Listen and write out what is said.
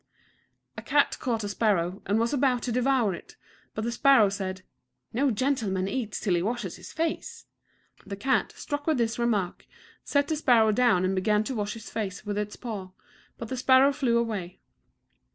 A cat caught a sparrow, and was about to devour it; but the sparrow said, "No gentleman eats till he washes his face." The cat, struck with this remark, set the sparrow down and began to wash his face with his paw, but the sparrow flew away.